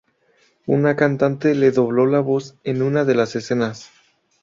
Una cantante le dobló la voz en una de las escenas.